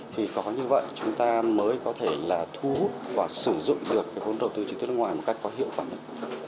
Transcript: thì có như vậy chúng ta mới có thể là thu hút và sử dụng được cái vốn đầu tư trực tiếp nước ngoài một cách có hiệu quả nhất